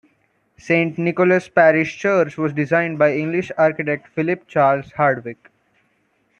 Saint Nicholas Parish Church was designed by English architect Philip Charles Hardwick.